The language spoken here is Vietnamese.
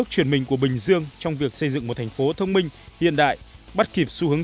xin kính chào và hẹn gặp lại